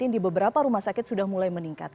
di beberapa rumah sakit sudah mulai meningkat